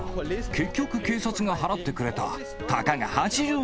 結局、警察が払ってくれた。